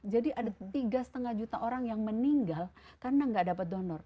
jadi ada tiga lima juta orang yang meninggal karena gak dapat donor